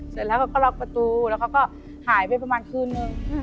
เสร็จแล้วเขาก็ล็อกประตูแล้วเขาก็หายไปประมาณคืนนึง